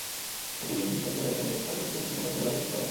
একই দিন সন্ধ্যায় গ্রামের পারিবারিক কবরস্থানে মরহুমের লাশ দাফন করা হয়।